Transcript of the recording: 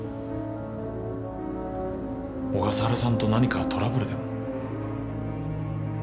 小笠原さんと何かトラブルでも？